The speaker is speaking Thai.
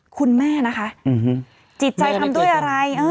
คุณแม่นะคะจิตใจทำด้วยอะไร